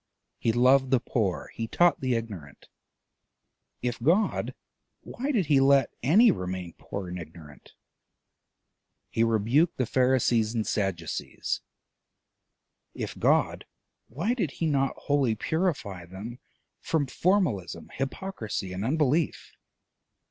He loved the poor, he taught the ignorant: if God, why did he let any remain poor and ignorant? He rebuked the Pharisees and Sadducees: it God, why did he not wholly purify them from formalism, hypocrisy, and unbelief?